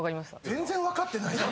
全然分かってないぞ。